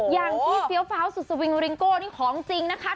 อย่างที่เฟี้ยวฟ้าวสุดสวิงริงโก้นี่ของจริงนะคะ